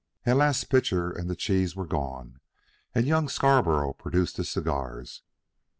At last Pitcher and the cheese were gone, and young Scarborough produced his cigars.